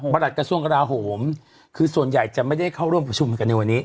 หลัดกระทรวงกราโหมคือส่วนใหญ่จะไม่ได้เข้าร่วมประชุมกันในวันนี้